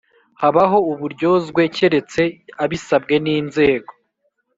Habaho uburyozwe keretse abisabwe n inzego